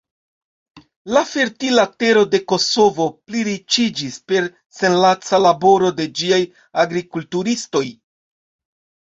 La fertila tero de Kosovo pliriĉiĝis per senlaca laboro de ĝiaj agrikulturistoj.